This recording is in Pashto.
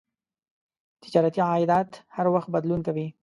تجارتي عایدات هر وخت بدلون کوي.